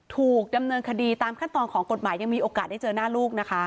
ถูกดำเนินคดีตามขั้นตอนของกฎหมายยังมีโอกาสได้เจอหน้าลูกนะคะ